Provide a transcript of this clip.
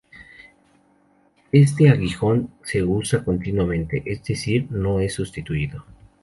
Este aguijón se usa continuamente, es decir, no es sustituido.